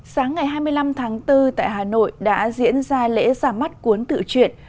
sáng ngày hai mươi năm tháng bốn tại hà nội đã diễn ra lễ ra mắt cuốn tự truyện